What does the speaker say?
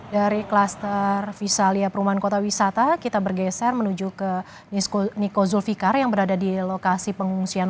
dari kluster visalia perumahan kota wisata kita bergeser menuju ke niko zulfikar yang berada di lokasi pengungsian